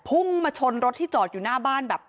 พุ่งมาชนรถที่จอดอยู่หน้าบ้านแบบ